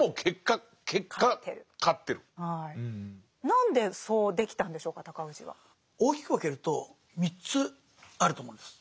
何でそうできたんでしょうか尊氏は。大きく分けると３つあると思うんです。